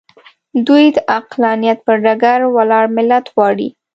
دوی د عقلانیت پر ډګر ولاړ ملت غواړي.